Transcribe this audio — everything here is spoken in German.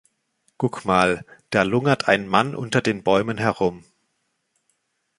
Guck mal, da lungert ein Mann unter den Bäumen herum.